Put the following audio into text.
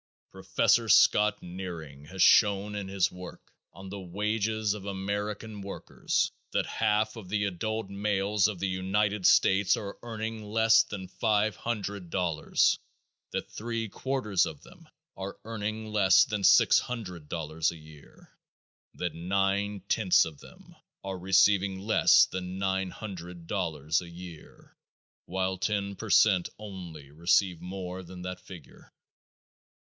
Professor Scott Nearing has shown in his work on the wages of American workers that half of the adult males of the United States are earning less than $500; that three quarters of them are earning less than $600 a year; that nine tenths of them are receiving less than $900 a year, while 10 per cent only receive more than that figure.